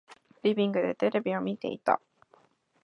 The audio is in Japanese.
リビングでテレビを見ていた。